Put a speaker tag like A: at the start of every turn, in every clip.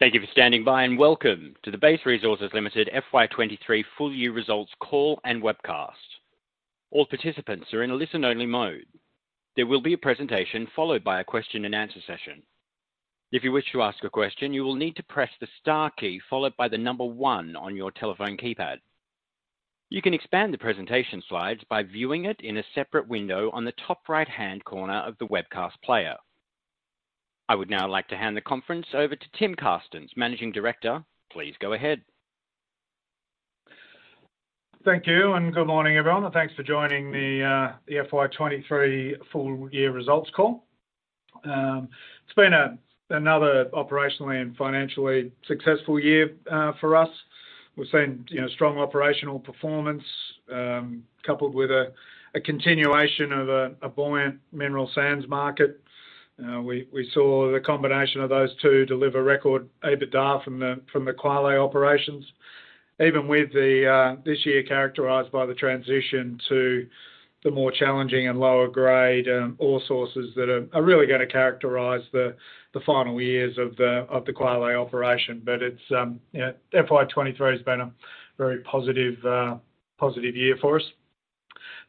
A: Thank you for standing by, and welcome to the Base Resources Limited fY 2023 full year results call and webcast. All participants are in a listen-only mode. There will be a presentation followed by a question-and-answer session. If you wish to ask a question, you will need to press the star key followed by the number one on your telephone keypad. You can expand the presentation slides by viewing it in a separate window on the top right-hand corner of the webcast player. I would now like to hand the conference over to Tim Carstens, Managing Director. Please go ahead.
B: Thank you, and good morning, everyone, and thanks for joining the FY 2023 full year results call. It's been another operationally and financially successful year for us. We've seen, you know, strong operational performance, coupled with a continuation of a buoyant mineral sands market. We saw the combination of those two deliver record EBITDA from the Kwale Operations, even with this year characterized by the transition to the more challenging and lower grade ore sources that are really gonna characterize the final years of the Kwale Operation. But it's, you know, FY 2023 has been a very positive year for us.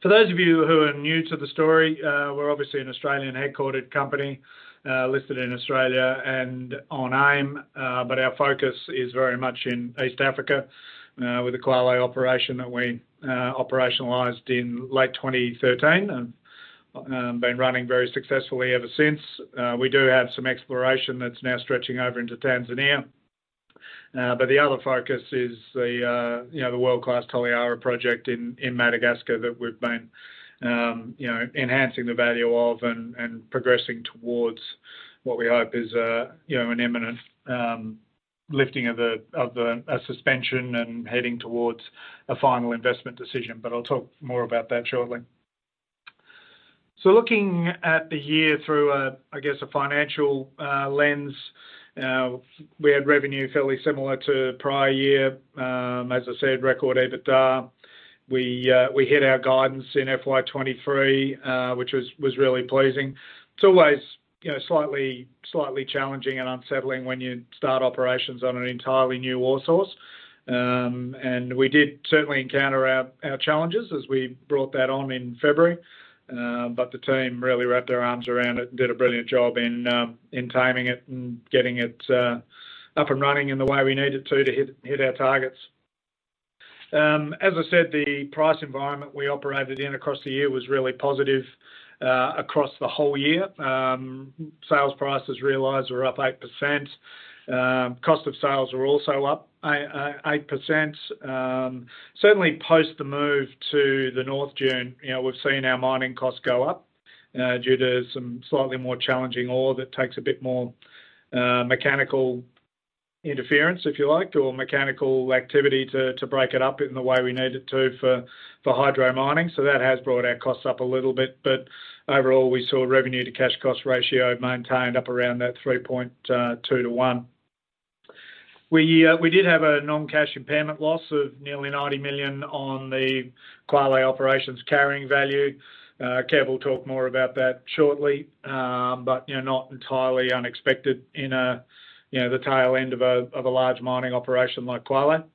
B: For those of you who are new to the story, we're obviously an Australian-headquartered company, listed in Australia and on AIM, but our focus is very much in East Africa, with the Kwale operation that we operationalized in late 2013 and been running very successfully ever since. We do have some exploration that's now stretching over into Tanzania. But the other focus is the, you know, the world-class Toliara project in Madagascar that we've been, you know, enhancing the value of and progressing towards what we hope is a, you know, an imminent lifting of the suspension and heading towards a final investment decision. But I'll talk more about that shortly. So looking at the year through, I guess, a financial lens, we had revenue fairly similar to prior year. As I said, record EBITDA. We hit our guidance in FY 2023, which was really pleasing. It's always, you know, slightly challenging and unsettling when you start operations on an entirely new ore source. And we did certainly encounter our challenges as we brought that on in February, but the team really wrapped their arms around it and did a brilliant job in taming it and getting it up and running in the way we needed to hit our targets. As I said, the price environment we operated in across the year was really positive across the whole year. Sales prices realized were up 8%. Cost of sales were also up 8%. Certainly post the move to the North Dune, you know, we've seen our mining costs go up, due to some slightly more challenging ore that takes a bit more, mechanical interference, if you like, or mechanical activity to break it up in the way we need it to for hydro mining. So that has brought our costs up a little bit, but overall, we saw revenue to cash cost ratio maintained up around that 3.2%-1%. We did have a non-cash impairment loss of nearly $90 million on the Kwale Operations carrying value. Kev will talk more about that shortly, but, you know, not entirely unexpected in a, you know, the tail end of a large mining operation like Kwale.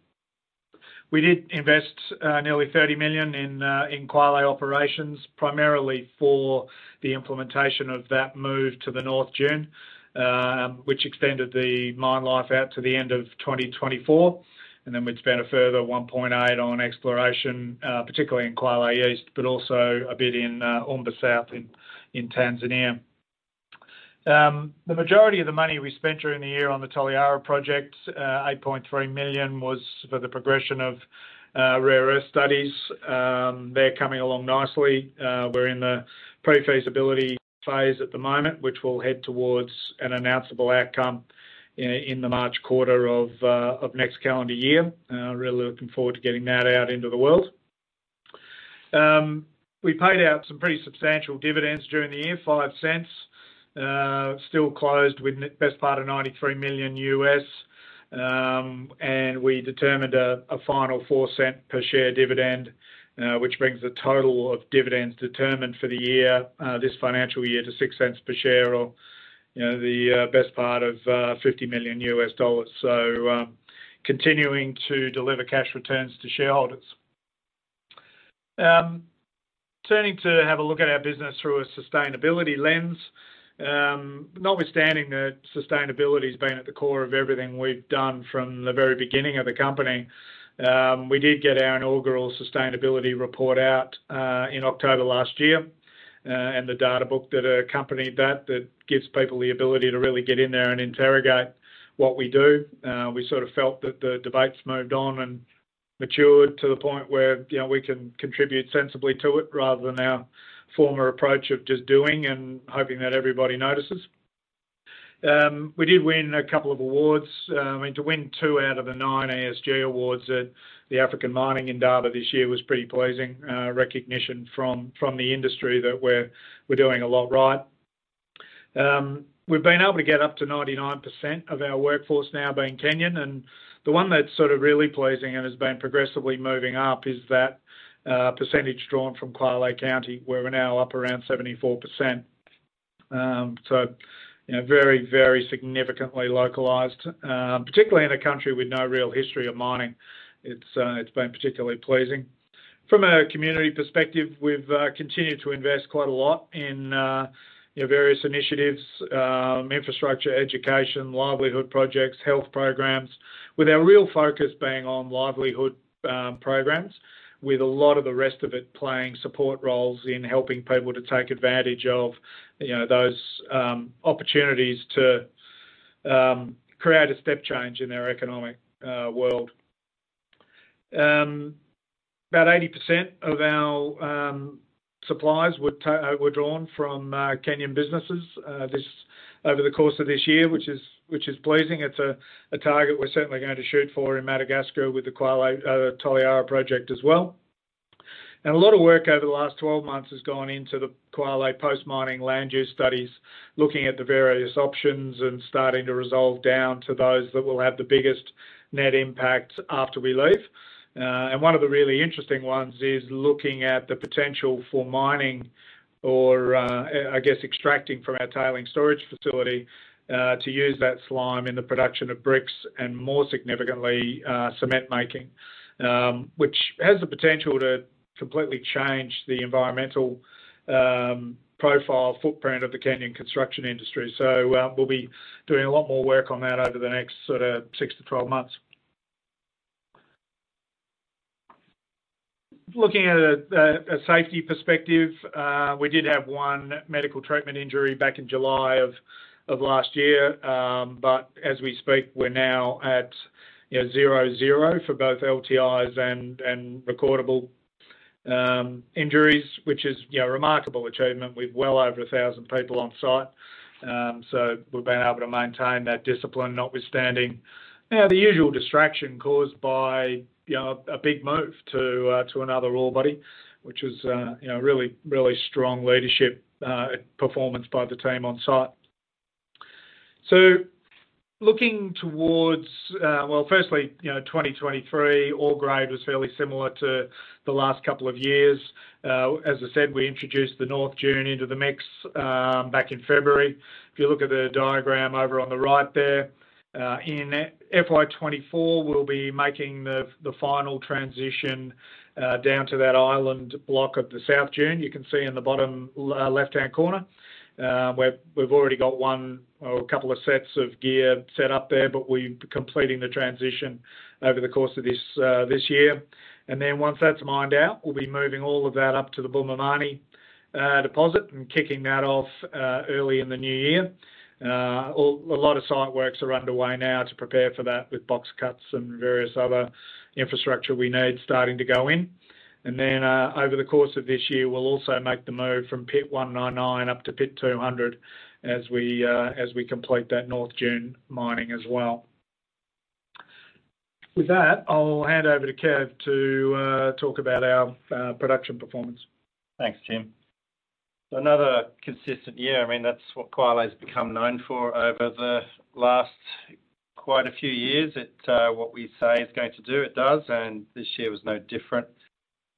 B: We did invest nearly $30 million in Kwale Operations, primarily for the implementation of that move to the North Dune, which extended the mine life out to the end of 2024. Then we'd spent a further $1.8 million on exploration, particularly in Kwale East, but also a bit in Umba South in Tanzania. The majority of the money we spent during the year on the Toliara Project, $8.3 million, was for the progression of rare earth studies. They're coming along nicely. We're in the pre-feasibility phase at the moment, which will head towards an announceable outcome in the March quarter of next calendar year. Really looking forward to getting that out into the world. We paid out some pretty substantial dividends during the year, 0.05. Still closed with best part of $93 million, and we determined a final $0.04 per share dividend, which brings the total of dividends determined for the year, this financial year, to $0.06 per share, or, you know, the best part of $50 million. Continuing to deliver cash returns to shareholders. Turning to have a look at our business through a sustainability lens. Notwithstanding that sustainability has been at the core of everything we've done from the very beginning of the company, we did get our inaugural sustainability report out in October last year, and the data book that accompanied that gives people the ability to really get in there and interrogate what we do. We sort of felt that the debates moved on and matured to the point where, you know, we can contribute sensibly to it, rather than our former approach of just doing and hoping that everybody notices. We did win a couple of awards. I mean, to win two out of the nine ESG awards at the African Mining Indaba this year was pretty pleasing, recognition from the industry that we're doing a lot right. We've been able to get up to 99% of our workforce now being Kenyan, and the one that's sort of really pleasing and has been progressively moving up is that, percentage drawn from Kwale County, where we're now up around 74%.... So, you know, very, very significantly localized, particularly in a country with no real history of mining. It's been particularly pleasing. From a community perspective, we've continued to invest quite a lot in various initiatives, infrastructure, education, livelihood projects, health programs, with our real focus being on livelihood programs, with a lot of the rest of it playing support roles in helping people to take advantage of, you know, those opportunities to create a step change in their economic world. About 80% of our supplies were drawn from Kenyan businesses, over the course of this year, which is pleasing. It's a target we're certainly going to shoot for in Madagascar with the Toliara project as well. A lot of work over the last 12 months has gone into the Kwale post-mining land use studies, looking at the various options and starting to resolve down to those that will have the biggest net impact after we leave. And one of the really interesting ones is looking at the potential for mining or, I guess, extracting from our tailings storage facility, to use that slime in the production of bricks and more significantly, cement making, which has the potential to completely change the environmental, profile footprint of the Kenyan construction industry. So, we'll be doing a lot more work on that over the next sort of six to 12 months. Looking at a safety perspective, we did have one medical treatment injury back in July of last year, but as we speak, we're now at, you know, zero zero for both LTIs and recordable injuries, which is, you know, a remarkable achievement with well over 1,000 people on site. So we've been able to maintain that discipline, notwithstanding the usual distraction caused by, you know, a big move to another ore body, which was, you know, really, really strong leadership performance by the team on site. So looking towards, well, firstly, you know, 2023, ore grade was fairly similar to the last couple of years. As I said, we introduced the North Dune into the mix back in February. If you look at the diagram over on the right there, in FY 2024, we'll be making the final transition down to that island block of the South Dune. You can see in the bottom left-hand corner, where we've already got one or a couple of sets of gear set up there, but we're completing the transition over the course of this year. Then once that's mined out, we'll be moving all of that up to the Bumamani deposit and kicking that off early in the new year. A lot of site works are underway now to prepare for that, with box cuts and various other infrastructure we need starting to go in. Then, over the course of this year, we'll also make the move from Pit 199 up to Pit 200 as we complete that North Dune mining as well. With that, I'll hand over to Kev to talk about our production performance.
C: Thanks, Tim. Another consistent year. I mean, that's what Kwale has become known for over the last quite a few years. It, what we say is going to do, it does, and this year was no different.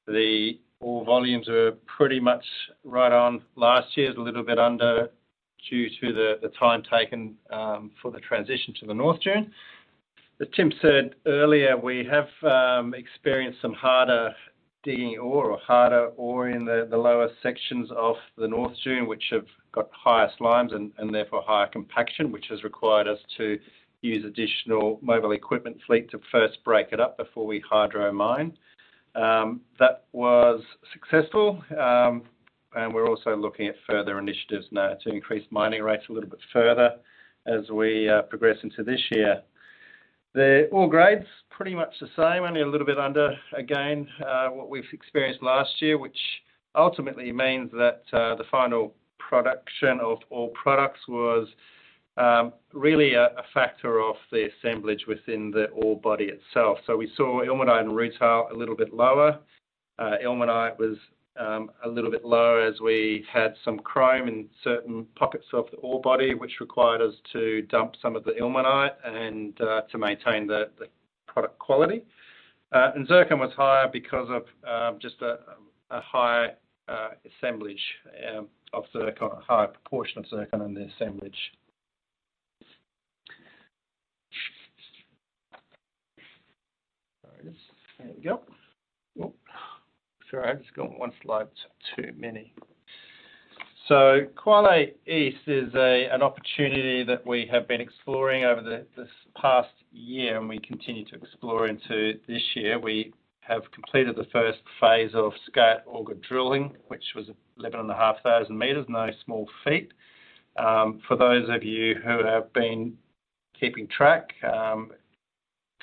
C: The ore volumes are pretty much right on last year's, a little bit under, due to the time taken for the transition to the North Dune. As Tim said earlier, we have experienced some harder digging ore or harder ore in the lower sections of the North Dune, which have got higher slimes and therefore, higher compaction, which has required us to use additional mobile equipment fleet to first break it up before we hydro mine. That was successful, and we're also looking at further initiatives now to increase mining rates a little bit further as we progress into this year. The ore grade's pretty much the same, only a little bit under, again, what we've experienced last year, which ultimately means that the final production of ore products was really a factor of the assemblage within the ore body itself. So we saw ilmenite and rutile a little bit lower. Ilmenite was a little bit lower as we had some chrome in certain pockets of the ore body, which required us to dump some of the ilmenite and to maintain the product quality. And zircon was higher because of just a high assemblage of zircon, a higher proportion of zircon in the assemblage. There it is. There we go. Oh, sorry, I've just got one slide too many. So Kwale East is an opportunity that we have been exploring over this past year, and we continue to explore into this year. We have completed the phase I of scout auger drilling, which was 11,500m, no small feat. For those of you who have been keeping track,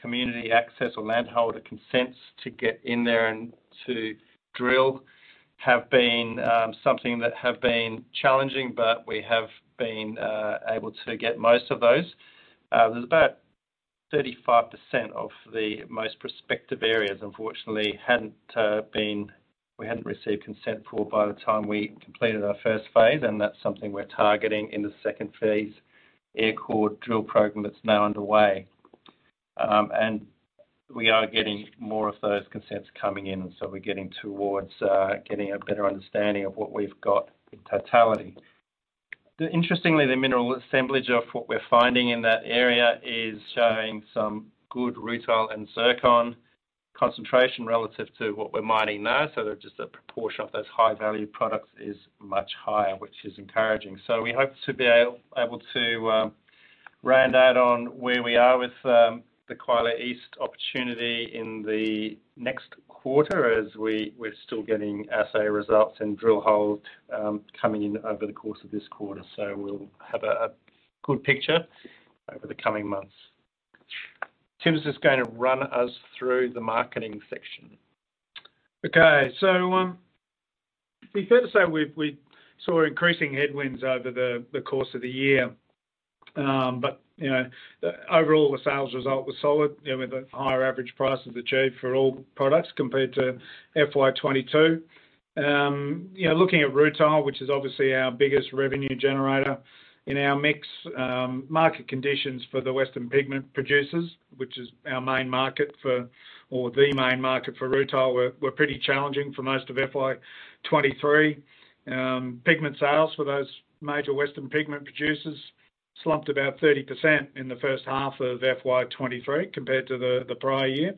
C: community access or landholder consents to get in there and to drill have been something that have been challenging, but we have been able to get most of those. There's about 35% of the most prospective areas, unfortunately, hadn't been—we hadn't received consent for by the time we completed our phase I, and that's something we're targeting in the phase II, air core drill program that's now underway... And we are getting more of those consents coming in, so we're getting towards getting a better understanding of what we've got in totality. Interestingly, the mineral assemblage of what we're finding in that area is showing some good rutile and zircon concentration relative to what we're mining now. So just the proportion of those high-value products is much higher, which is encouraging. So we hope to be able to round out on where we are with the Kwale East opportunity in the next quarter as we're still getting assay results and drill hole coming in over the course of this quarter. So we'll have a good picture over the coming months. Tim's just going to run us through the marketing section.
B: Okay, so, be fair to say we saw increasing headwinds over the course of the year. You know, overall, the sales result was solid, you know, with a higher average price achieved for all products compared to FY 2022. You know, looking at rutile, which is obviously our biggest revenue generator in our mix, market conditions for the Western pigment producers, which is our main market for or the main market for rutile, were pretty challenging for most of FY 2023. Pigment sales for those major Western pigment producers slumped about 30% in the first half of FY 2023 compared to the prior year.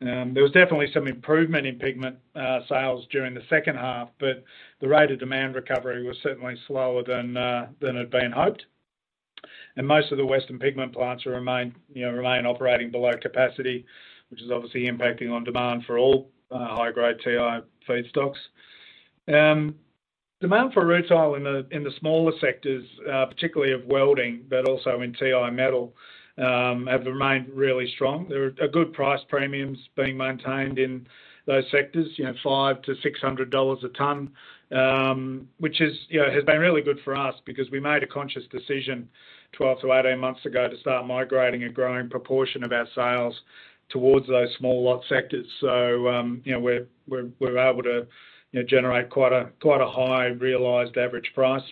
B: There was definitely some improvement in pigment sales during the second half, but the rate of demand recovery was certainly slower than had been hoped. Most of the Western pigment plants remain, you know, remain operating below capacity, which is obviously impacting on demand for all high-grade Ti feedstocks. Demand for rutile in the smaller sectors, particularly of welding, but also in Ti metal, have remained really strong. There are a good price premiums being maintained in those sectors, you know, $500-$600 a ton, which is, you know, has been really good for us because we made a conscious decision 12months-18 months ago to start migrating a growing proportion of our sales towards those small lot sectors. You know, we're able to generate quite a high realized average price.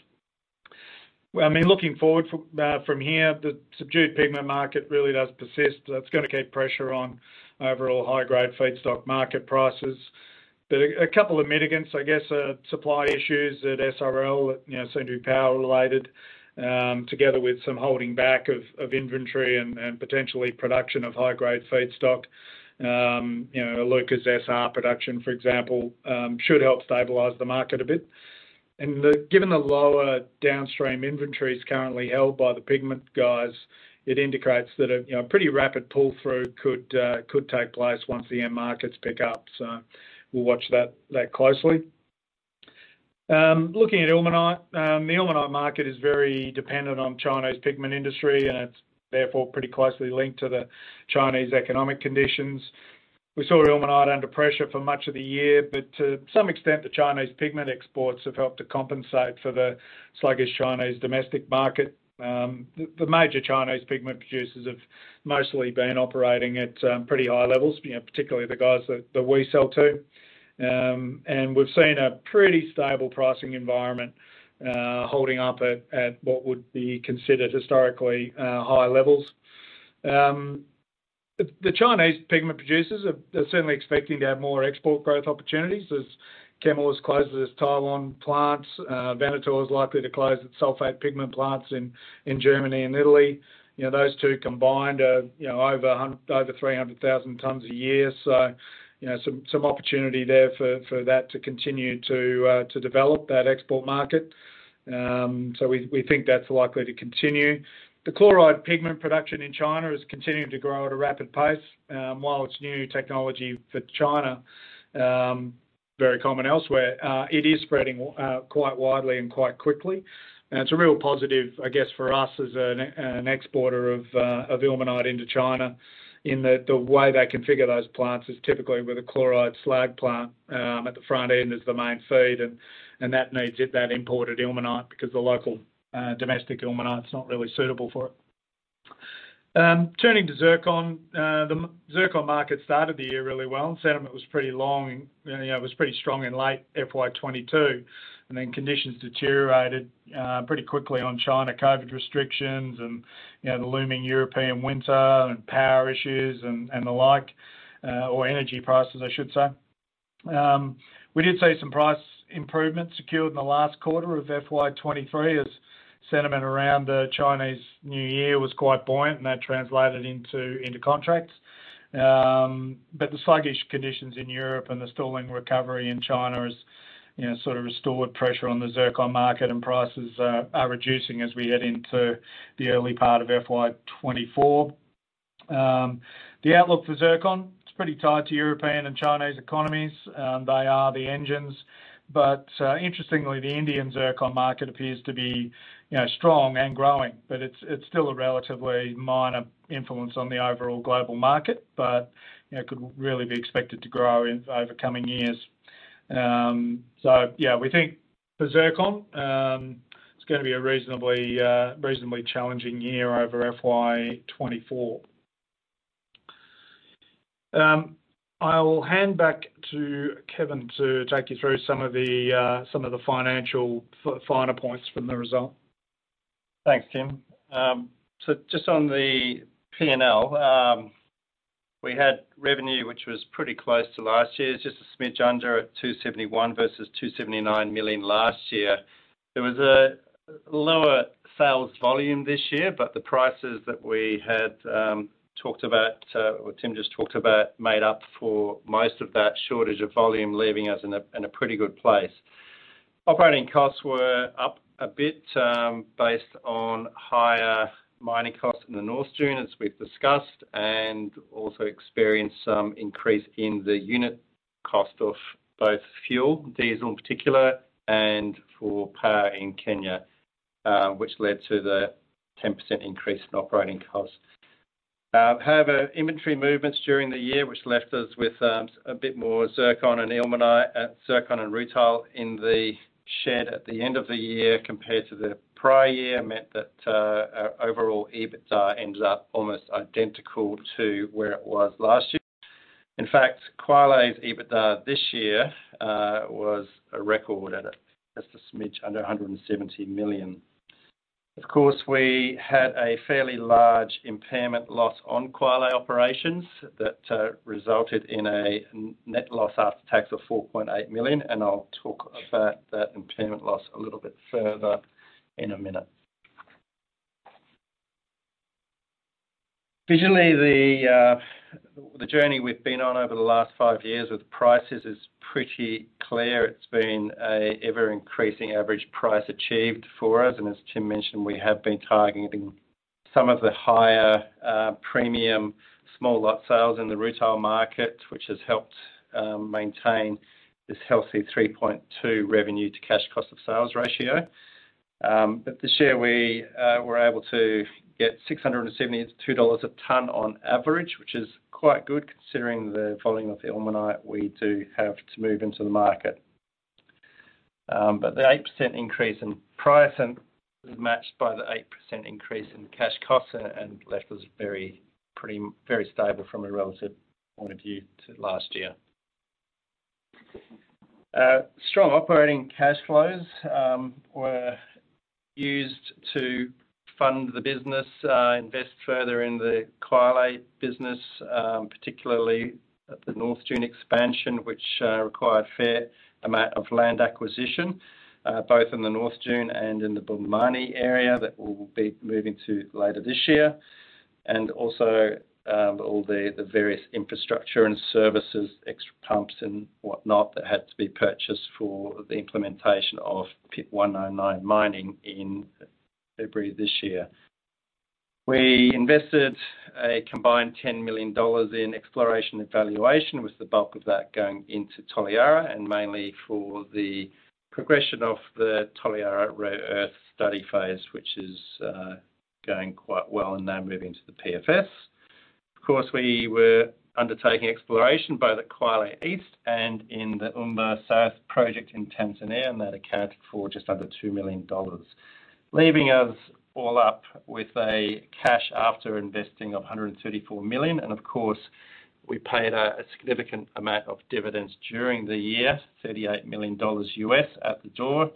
B: Well, I mean, looking forward from here, the subdued pigment market really does persist. That's gonna keep pressure on overall high-grade feedstock market prices. But a couple of mitigants, I guess, are supply issues at SRL that, you know, seem to be power related, together with some holding back of inventory and potentially production of high-grade feedstock. You know, Iluka's SR production, for example, should help stabilize the market a bit. And given the lower downstream inventories currently held by the pigment guys, it indicates that a pretty rapid pull-through could take place once the end markets pick up. So we'll watch that closely. Looking at ilmenite. The ilmenite market is very dependent on China's pigment industry, and it's therefore pretty closely linked to the Chinese economic conditions. We saw ilmenite under pressure for much of the year, but to some extent, the Chinese pigment exports have helped to compensate for the sluggish Chinese domestic market. The major Chinese pigment producers have mostly been operating at pretty high levels, you know, particularly the guys that we sell to. We've seen a pretty stable pricing environment holding up at what would be considered historically high levels. The Chinese pigment producers are certainly expecting to have more export growth opportunities as Chemours closes its Taiwan plants. Venator is likely to close its sulfate pigment plants in Germany and Italy. You know, those two combined are over 300,000 tons a year. So, you know, some opportunity there for that to continue to develop that export market. So we think that's likely to continue. The chloride pigment production in China is continuing to grow at a rapid pace. While it's new technology for China, very common elsewhere, it is spreading quite widely and quite quickly. And it's a real positive, I guess, for us as an exporter of ilmenite into China, in that the way they configure those plants is typically with a chloride slag plant at the front end as the main feed, and that needs it, that imported ilmenite because the local domestic ilmenite is not really suitable for it. Turning to zircon, the zircon market started the year really well, and sentiment was pretty long, and, you know, it was pretty strong in late FY 2022, and then conditions deteriorated pretty quickly on China COVID restrictions and, you know, the looming European winter and power issues and, and the like, or energy prices, I should say. We did see some price improvements secured in the last quarter of FY 2023 as sentiment around the Chinese New Year was quite buoyant, and that translated into, into contracts. But the sluggish conditions in Europe and the stalling recovery in China is, you know, sort of restored pressure on the zircon market, and prices are, are reducing as we head into the early part of FY 2024. The outlook for zircon, it's pretty tied to European and Chinese economies, and they are the engines. But interestingly, the Indian zircon market appears to be, you know, strong and growing, but it's still a relatively minor influence on the overall global market, but, you know, could really be expected to grow in the coming years. So yeah, we think for zircon, it's gonna be a reasonably challenging year over FY 2024. I'll hand back to Kevin to take you through some of the financial and finer points from the result.
C: Thanks, Tim. So just on the P&L, we had revenue, which was pretty close to last year's, just a smidge under at $271 million versus $279 million last year. There was a lower sales volume this year, but the prices that we had talked about, or Tim just talked about, made up for most of that shortage of volume, leaving us in a pretty good place. Operating costs were up a bit, based on higher mining costs in the North Dune, as we've discussed, and also experienced some increase in the unit cost of both fuel, diesel in particular, and for power in Kenya, which led to the 10% increase in operating costs. However, inventory movements during the year, which left us with a bit more zircon and ilmenite, zircon and rutile in the shed at the end of the year compared to the prior year, meant that our overall EBITDA ended up almost identical to where it was last year. In fact, Kwale's EBITDA this year was a record at a just a smidge under $170 million. Of course, we had a fairly large impairment loss on Kwale Operations that resulted in a net loss after tax of $4.8 million, and I'll talk about that impairment loss a little bit further in a minute. Visually, the journey we've been on over the last five years with prices is pretty clear. It's been a ever-increasing average price achieved for us, and as Tim mentioned, we have been targeting some of the higher, premium small lot sales in the rutile market, which has helped, maintain this healthy 3.2% revenue to cash cost of sales ratio. But this year we, were able to get $672 a ton on average, which is quite good considering the volume of the ilmenite we do have to move into the market. But the 8% increase in price and was matched by the 8% increase in cash costs, and, and left us very pretty, very stable from a relative point of view to last year. Strong operating cash flows were used to fund the business, invest further in the Kwale business, particularly at the North Dune expansion, which required fair amount of land acquisition, both in the North Dune and in the Bumamani area that we'll be moving to later this year. And also, all the various infrastructure and services, extra pumps and whatnot, that had to be purchased for the implementation of Pit 199 mining in February this year. We invested a combined $10 million in exploration and valuation, with the bulk of that going into Toliara, and mainly for the progression of the Toliara rare earth study phase, which is going quite well and now moving to the PFS. Of course, we were undertaking exploration both at Kwale East and in the Umba South project in Tanzania, and that accounted for just under $2 million. Leaving us all up with cash after investing of $134 million, and of course, we paid a significant amount of dividends during the year, $38 million U.S. at the door,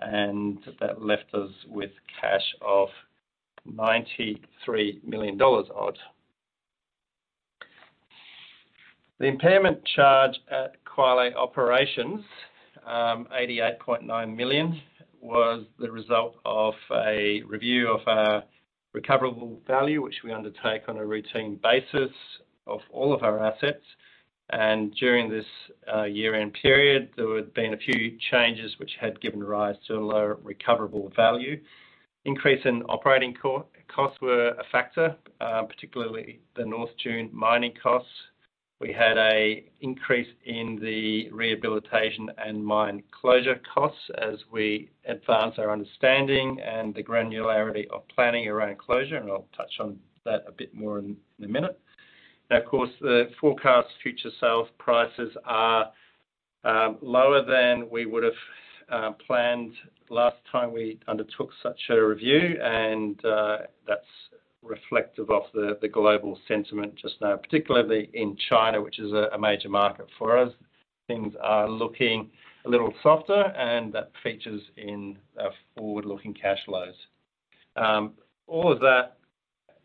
C: and that left us with cash of $93 million odd. The impairment charge at Kwale Operations, eighty-eight point nine million, was the result of a review of our recoverable value, which we undertake on a routine basis of all of our assets. And during this year-end period, there had been a few changes which had given rise to a lower recoverable value. Increase in operating costs were a factor, particularly the North Dune mining costs. We had a increase in the rehabilitation and mine closure costs as we advance our understanding and the granularity of planning around closure, and I'll touch on that a bit more in a minute. Now, of course, the forecast future sales prices are lower than we would have planned last time we undertook such a review, and that's reflective of the global sentiment just now, particularly in China, which is a major market for us. Things are looking a little softer, and that features in our forward-looking cash flows. All of that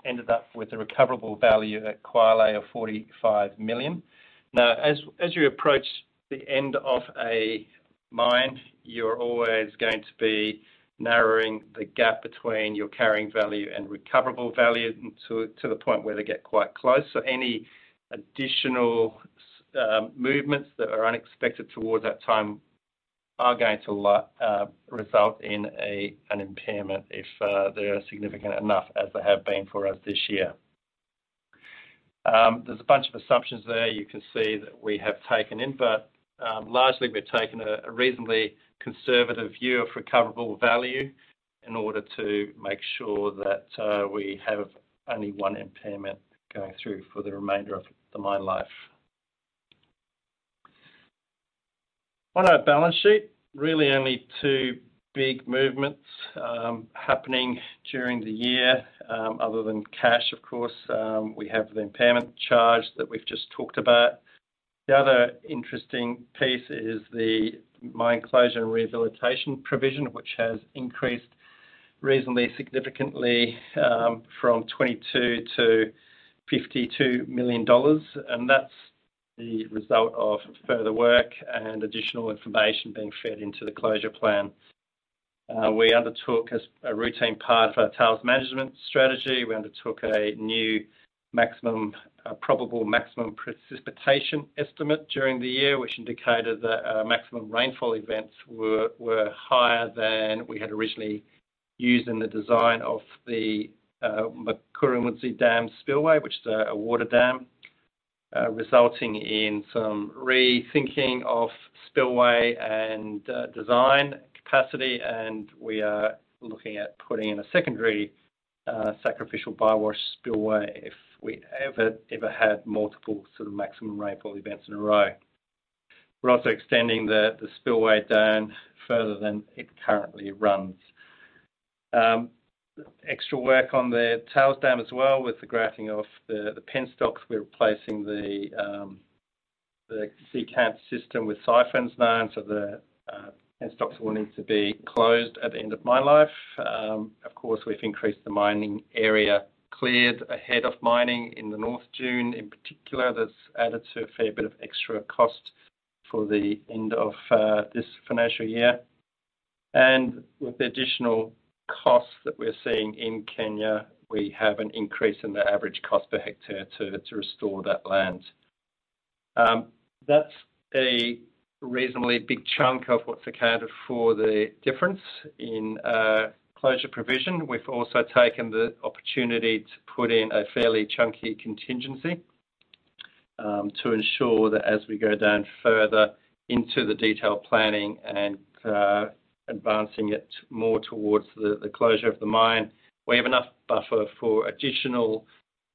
C: ended up with a recoverable value at Kwale of $45 million. Now, as you approach the end of a mine, you're always going to be narrowing the gap between your carrying value and recoverable value until to the point where they get quite close. So any additional movements that are unexpected towards that time are going to result in an impairment if they are significant enough as they have been for us this year. There's a bunch of assumptions there you can see that we have taken in, but largely we've taken a reasonably conservative view of recoverable value in order to make sure that we have only one impairment going through for the remainder of the mine life. On our balance sheet, really only two big movements happening during the year. Other than cash, of course, we have the impairment charge that we've just talked about. The other interesting piece is the mine closure and rehabilitation provision, which has increased reasonably significantly from $22 million-$52 million. That's the result of further work and additional information being fed into the closure plan. We undertook as a routine part of our tails management strategy. We undertook a new maximum, probable maximum precipitation estimate during the year, which indicated that maximum rainfall events were higher than we had originally used in the design of the Mukurumudzi Dam spillway, which is a water dam. Resulting in some rethinking of spillway and design capacity, and we are looking at putting in a secondary sacrificial bywash spillway if we ever had multiple sort of maximum rainfall events in a row. We're also extending the spillway down further than it currently runs. Extra work on the tails dam as well, with the grouting of the penstocks. We're replacing the C-camp system with siphons now, so the penstocks will need to be closed at the end of mine life. Of course, we've increased the mining area, cleared ahead of mining in the North Dune. In particular, that's added to a fair bit of extra cost for the end of this financial year. And with the additional costs that we're seeing in Kenya, we have an increase in the average cost per hectare to restore that land. That's a reasonably big chunk of what's accounted for the difference in closure provision. We've also taken the opportunity to put in a fairly chunky contingency, to ensure that as we go down further into the detailed planning and, advancing it more towards the closure of the mine, we have enough buffer for additional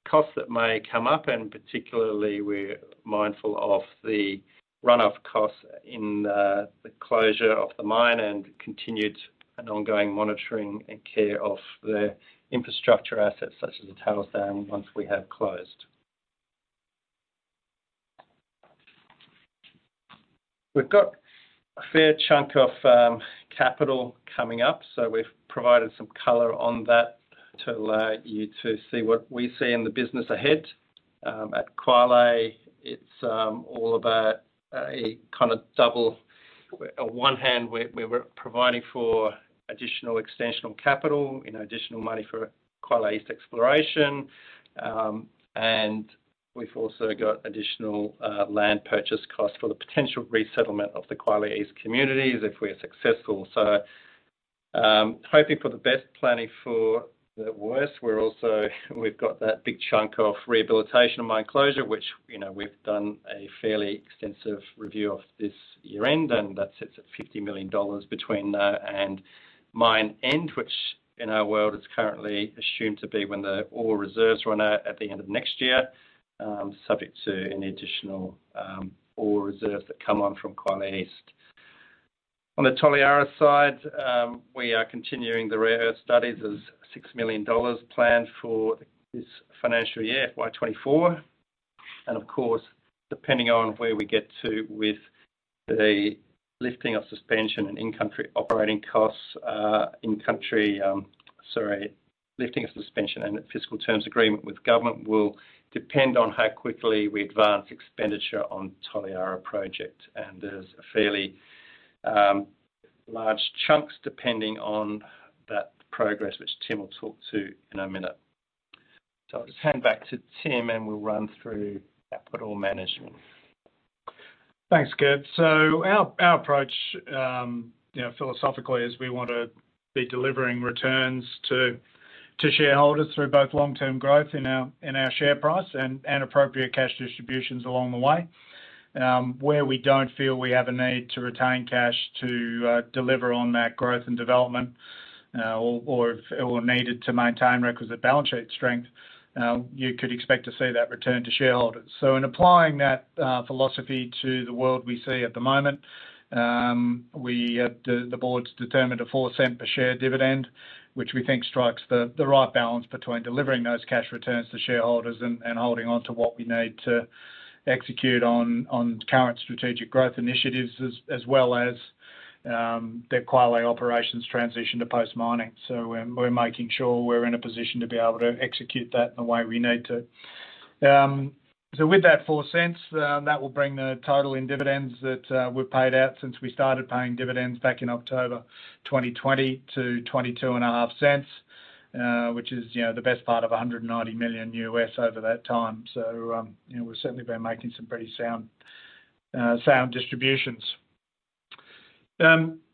C: costs that may come up, and particularly, we're mindful of the run-off costs in the closure of the mine and continued an ongoing monitoring and care of the infrastructure assets, such as the tailings dam, once we have closed. We've got a fair chunk of capital coming up, so we've provided some color on that to allow you to see what we see in the business ahead. At Kwale, it's all about a kind of double- On one hand, we were providing for additional extensional capital, you know, additional money for Kwale East exploration. And we've also got additional land purchase costs for the potential resettlement of the Kwale East communities if we're successful. So, hoping for the best, planning for the worst. We're also. We've got that big chunk of rehabilitation of mine closure, which, you know, we've done a fairly extensive review of this year-end, and that sits at $50 million between and mine end, which, in our world, is currently assumed to be when the ore reserves run out at the end of next year. Subject to any additional ore reserves that come on from Kwale East. On the Toliara side, we are continuing the rare earth studies. There's $6 million planned for this financial year, FY 2024. Of course, depending on where we get to with the lifting of suspension and fiscal terms agreement with government will depend on how quickly we advance expenditure on Toliara Project. There's fairly large chunks depending on that progress, which Tim will talk to in a minute. So I'll just hand back to Tim, and we'll run through capital management.
B: Thanks, Kev. So our approach, you know, philosophically, is we want to be delivering returns to shareholders through both long-term growth in our share price and appropriate cash distributions along the way. Where we don't feel we have a need to retain cash to deliver on that growth and development, or if it were needed to maintain requisite balance sheet strength, you could expect to see that return to shareholders. So in applying that philosophy to the world we see at the moment, we, the board's determined a $0.04 per share dividend, which we think strikes the right balance between delivering those cash returns to shareholders and holding on to what we need to execute on current strategic growth initiatives, as well as the Kwale Operations transition to post-mining. So we're making sure we're in a position to be able to execute that in the way we need to. So with that $0.04, that will bring the total in dividends that were paid out since we started paying dividends back in October 2020 to $0.225, which is, you know, the best part of $190 million over that time. So, you know, we've certainly been making some pretty sound distributions.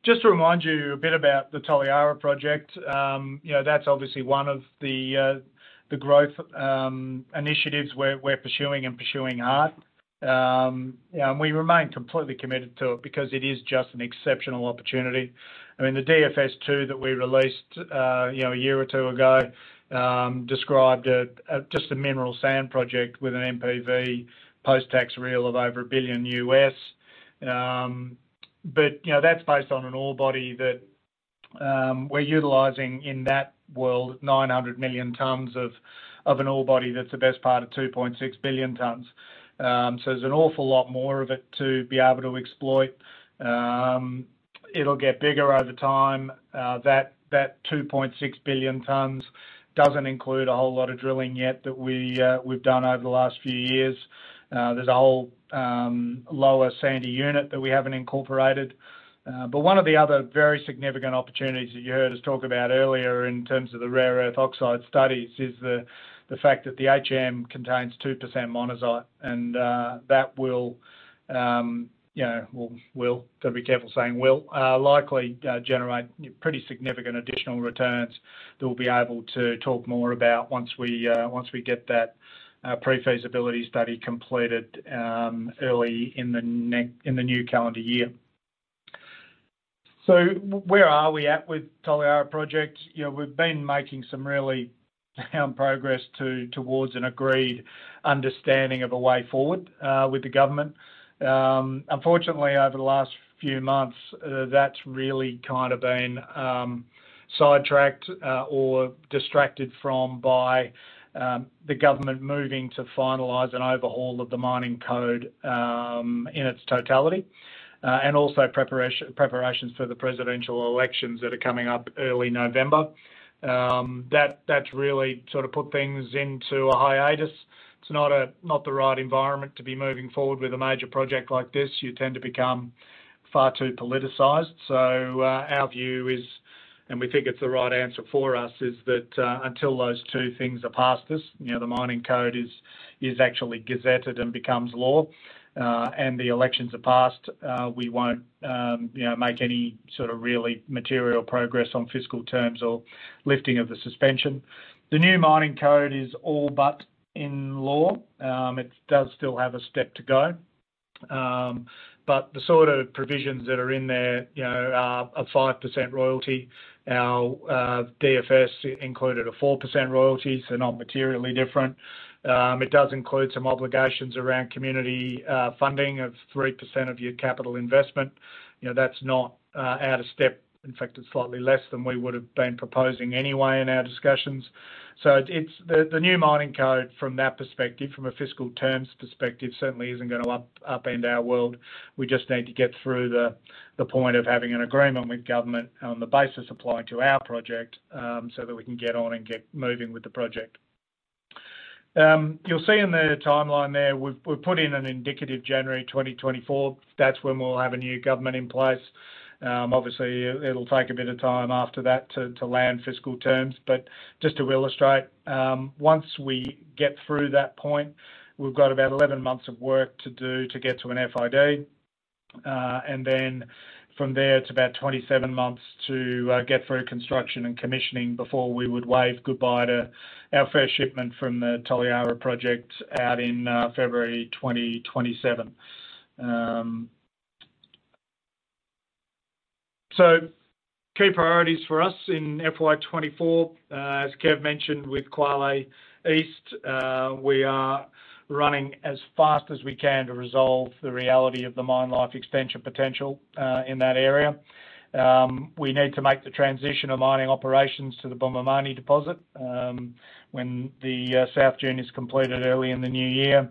B: Just to remind you a bit about the Toliara project, you know, that's obviously one of the growth initiatives we're pursuing and pursuing hard. And we remain completely committed to it because it is just an exceptional opportunity. I mean, the DFS2 that we released, you know, a year or two ago, described it as just a mineral sands project with an NPV post-tax real of over $1 billion. But, you know, that's based on an ore body that we're utilizing in that world, 900 million tons of an ore body that's the best part of 2.6 billion tons. So there's an awful lot more of it to be able to exploit. It'll get bigger over time. That two point six billion tons doesn't include a whole lot of drilling yet that we've done over the last few years. There's a whole lower sandy unit that we haven't incorporated. But one of the other very significant opportunities that you heard us talk about earlier in terms of the rare earth oxide studies is the fact that the HM contains 2% monazite. And that will, you know, gotta be careful saying will, likely generate pretty significant additional returns that we'll be able to talk more about once we get that pre-feasibility study completed early in the new calendar year. So where are we at with Toliara project? You know, we've been making some really sound progress towards an agreed understanding of a way forward with the government. Unfortunately, over the last few months, that's really kind of been sidetracked or distracted from by the government moving to finalize an overhaul of the mining code in its totality. Also preparations for the presidential elections that are coming up early November. That's really sort of put things into a hiatus. It's not the right environment to be moving forward with a major project like this. You tend to become far too politicized. So, our view is, and we think it's the right answer for us, is that, until those two things are past us, you know, the mining code is actually gazetted and becomes law, and the elections are passed, we won't, you know, make any sort of really material progress on fiscal terms or lifting of the suspension. The new mining code is all but in law. It does still have a step to go. But the sort of provisions that are in there, you know, are 5% royalty. Our DFS included a 4% royalty, so not materially different. It does include some obligations around community funding of 3% of your capital investment. You know, that's not out of step. In fact, it's slightly less than we would've been proposing anyway in our discussions. So it's the new mining code from that perspective, from a fiscal terms perspective, certainly isn't gonna upend our world. We just need to get through the point of having an agreement with government on the basis applied to our project, so that we can get on and get moving with the project. You'll see in the timeline there, we've put in an indicative January 2024. That's when we'll have a new government in place. Obviously, it'll take a bit of time after that to land fiscal terms. But just to illustrate, once we get through that point, we've got about 11 months of work to do to get to an FID. And then from there, it's about 27 months to get through construction and commissioning before we would wave goodbye to our first shipment from the Toliara Project out in February 2027. So key priorities for us in FY 2024, as Kev mentioned, with Kwale East, we are running as fast as we can to resolve the reality of the mine life expansion potential in that area. We need to make the transition of mining operations to the Bumamani deposit when the South Dune is completed early in the new year.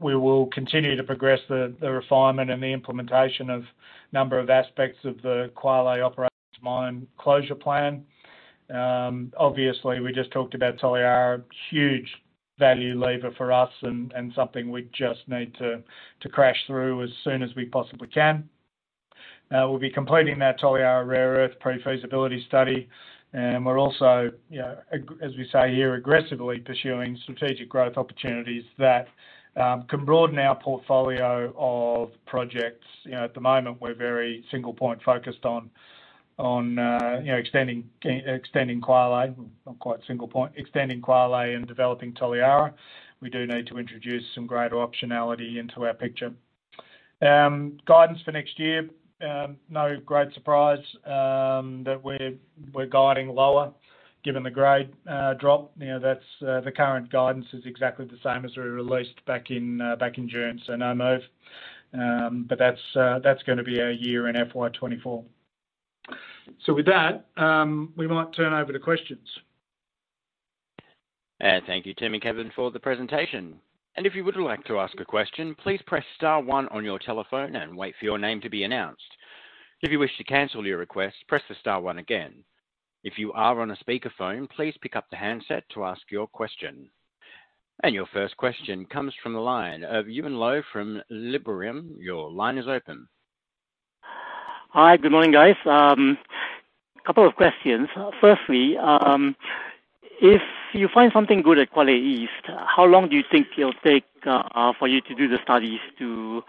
B: We will continue to progress the refinement and the implementation of number of aspects of the Kwale Operations mine closure plan. Obviously, we just talked about Toliara, huge value lever for us and something we just need to crash through as soon as we possibly can. We'll be completing that Toliara rare earth Pre-Feasibility Study. We're also, you know, as we say here, aggressively pursuing strategic growth opportunities that can broaden our portfolio of projects. You know, at the moment, we're very single point focused on, you know, extending Kwale. Not quite single point, extending Kwale and developing Toliara. We do need to introduce some greater optionality into our picture. Guidance for next year, no great surprise, that we're guiding lower given the grade drop. You know, that's the current guidance is exactly the same as we released back in June, so no move. But that's gonna be our year in FY 2024. So with that, we might turn over to questions.
A: Thank you, Tim and Kevin, for the presentation. And if you would like to ask a question, please press star one on your telephone and wait for your name to be announced. If you wish to cancel your request, press the star one again. If you are on a speakerphone, please pick up the handset to ask your question. And your first question comes from the line of Yuen Low from Liberum. Your line is open.
D: Hi, good morning, guys. Couple of questions. Firstly, if you find something good at Kwale East, how long do you think it'll take for you to do the studies to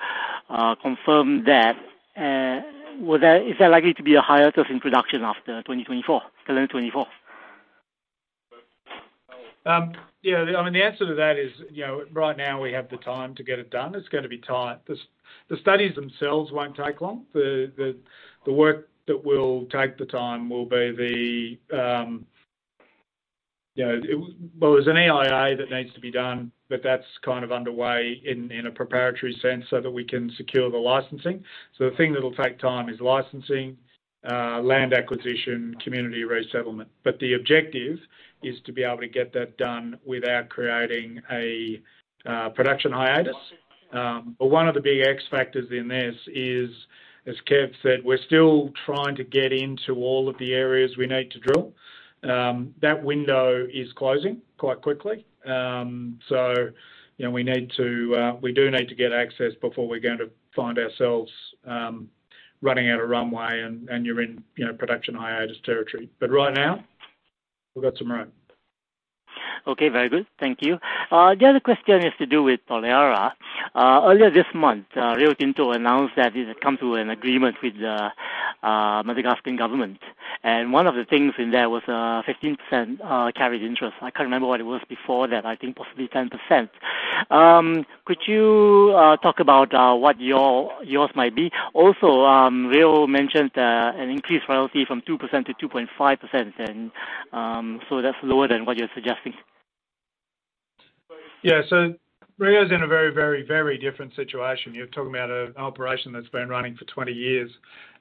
D: confirm that? Is there likely to be a hiatus in production after 2024, calendar 2024?
B: Yeah, I mean, the answer to that is, you know, right now we have the time to get it done. It's gonna be tight. The studies themselves won't take long. The work that will take the time will be the, You know, it, well, there's an EIA that needs to be done, but that's kind of underway in, in a preparatory sense so that we can secure the licensing. So the thing that will take time is licensing, land acquisition, community resettlement. But the objective is to be able to get that done without creating a, production hiatus. But one of the big X factors in this is, as Kev said, we're still trying to get into all of the areas we need to drill. That window is closing quite quickly. So, you know, we need to, we do need to get access before we're going to find ourselves running out of runway and you're in, you know, production hiatus territory. But right now, we've got some room.
D: Okay, very good. Thank you. The other question has to do with Toliara. Earlier this month, Rio Tinto announced that it had come to an agreement with the Madagascan government, and one of the things in there was a 15% carried interest. I can't remember what it was before that, I think possibly 10%. Could you talk about what yours might be? Also, Rio mentioned an increased royalty from 2%-2.5%, and so that's lower than what you're suggesting.
B: Yeah. So Rio is in a very, very, very different situation. You're talking about an operation that's been running for 20 years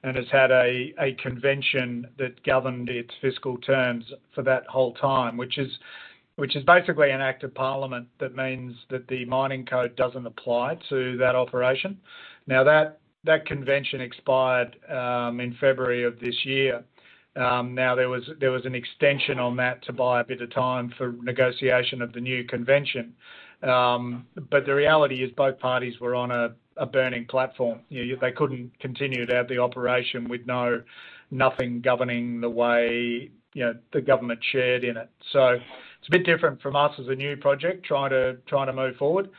B: and has had a convention that governed its fiscal terms for that whole time, which is basically an act of parliament that means that the mining code doesn't apply to that operation. Now, that convention expired in February of this year. Now, there was an extension on that to buy a bit of time for negotiation of the new convention. But the reality is both parties were on a burning platform. You know, they couldn't continue to have the operation with nothing governing the way, you know, the government shared in it. So it's a bit different from us as a new project, trying to move forward,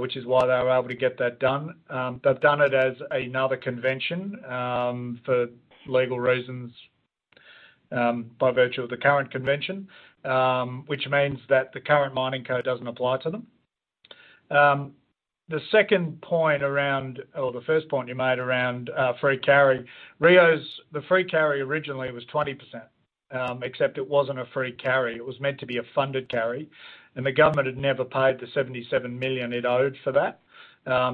B: which is why they were able to get that done. They've done it as another convention, for legal reasons, by virtue of the current convention, which means that the current mining code doesn't apply to them. The second point around, or the first point you made around, free carry, Rio's, the free carry originally was 20%. Except it wasn't a free carry. It was meant to be a funded carry, and the government had never paid the $77 million it owed for that.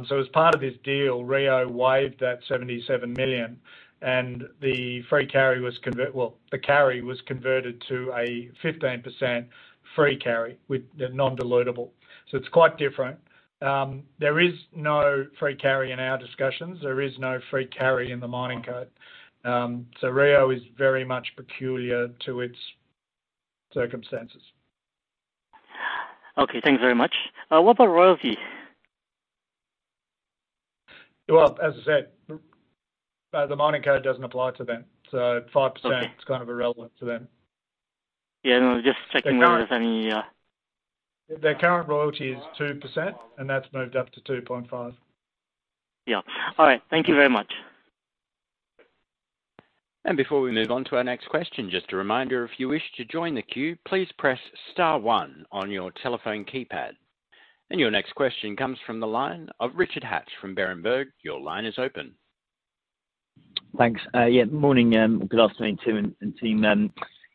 B: So as part of this deal, Rio waived that $77 million, and the free carry was converted... Well, the carry was converted to a 15% free carry with the non-dilutable. So it's quite different. There is no free carry in our discussions. There is no free carry in the mining code. So Rio is very much peculiar to its circumstances.
D: Okay, thanks very much. What about royalty?
B: Well, as I said, the mining code doesn't apply to them, so 5%-
D: Okay.
B: is kind of irrelevant to them.
D: Yeah, I was just checking-
B: The current-
D: if there was any
B: The current royalty is 2%, and that's moved up to 2.5%.
D: Yeah. All right. Thank you very much.
A: Before we move on to our next question, just a reminder, if you wish to join the queue, please press star one on your telephone keypad. Your next question comes from the line of Richard Hatch from Berenberg. Your line is open.
E: Thanks. Yeah, morning, good afternoon, Tim and team.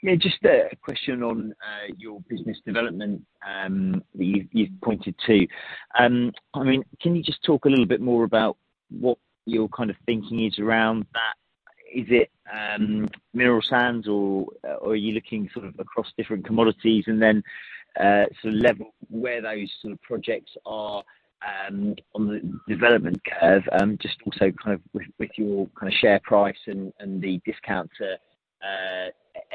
E: Yeah, just a question on your business development that you've pointed to. I mean, can you just talk a little bit more about what your kind of thinking is around that? Is it mineral sands or are you looking sort of across different commodities? And then so level, where those sort of projects are on the development curve, just also kind of with your kind of share price and the discount to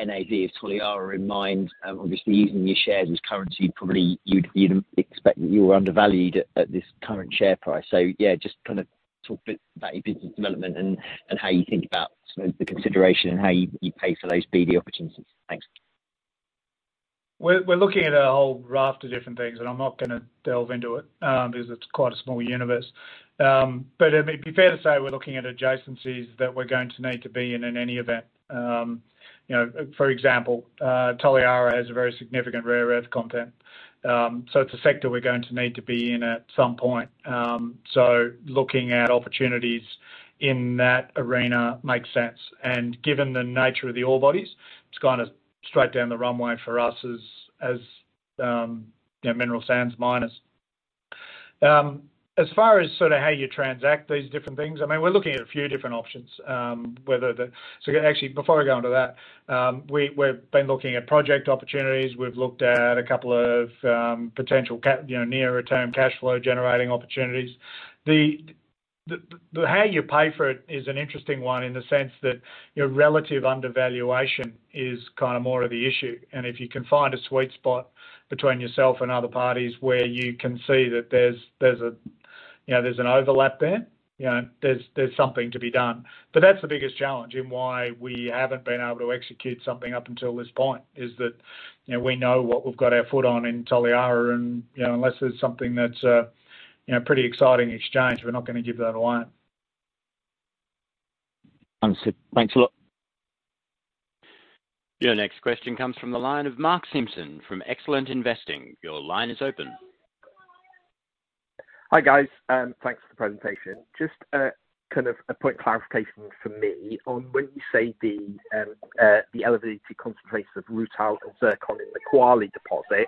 E: NAV of Toliara in mind. Obviously, using your shares as currency, probably you'd expect you're undervalued at this current share price. So yeah, just kind of talk a bit about your business development and how you think about the consideration and how you pay for those BD opportunities. Thanks.
B: We're looking at a whole raft of different things, and I'm not gonna delve into it, because it's quite a small universe. But I mean, to be fair to say, we're looking at adjacencies that we're going to need to be in in any event. You know, for example, Toliara has a very significant rare earth content. So it's a sector we're going to need to be in at some point. So looking at opportunities in that arena makes sense, and given the nature of the ore bodies, it's kind of straight down the runway for us as, you know, mineral sands miners. As far as sort of how you transact these different things, I mean, we're looking at a few different options, so actually, before I go onto that, we've been looking at project opportunities. We've looked at a couple of potential you know, near-term cash flow generating opportunities. The how you pay for it is an interesting one in the sense that your relative undervaluation is kind of more of the issue, and if you can find a sweet spot between yourself and other parties where you can see that there's you know, there's an overlap there, you know, there's something to be done. But that's the biggest challenge in why we haven't been able to execute something up until this point, is that, you know, we know what we've got our foot on in Toliara, and, you know, unless there's something that's you know, pretty exciting exchange, we're not gonna give that away.
E: Understood. Thanks a lot.
A: Your next question comes from the line of Mark Simpson from Excellent Investing. Your line is open.
F: Hi, guys, thanks for the presentation. Just, kind of a point clarification for me. On when you say the elevated concentration of rutile and zircon in the Kwale deposit,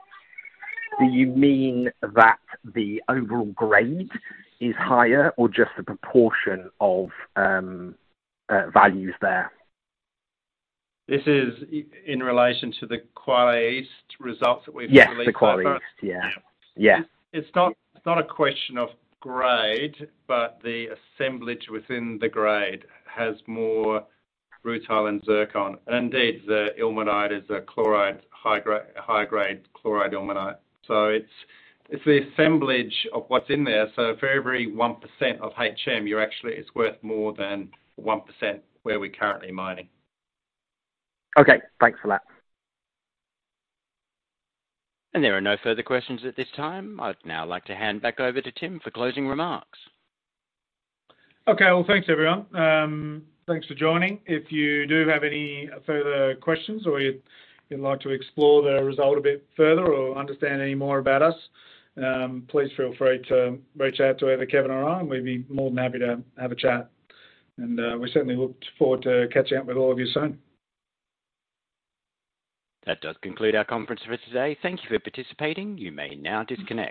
F: do you mean that the overall grade is higher or just the proportion of values there?
B: This is in relation to the Kwale East results that we've released so far?
F: Yes, the Kwale East. Yeah. Yeah.
B: It's not a question of grade, but the assemblage within the grade has more rutile and zircon. And indeed, the ilmenite is a chloride, high-grade chloride ilmenite. So it's the assemblage of what's in there. So for every 1% of HM, you're actually—it's worth more than 1% where we're currently mining.
F: Okay, thanks for that.
A: There are no further questions at this time. I'd now like to hand back over to Tim for closing remarks.
B: Okay. Well, thanks, everyone. Thanks for joining. If you do have any further questions or you'd like to explore the result a bit further or understand any more about us, please feel free to reach out to either Kevin or I, and we'd be more than happy to have a chat. We certainly look forward to catching up with all of you soon.
A: That does conclude our conference for today. Thank you for participating. You may now disconnect.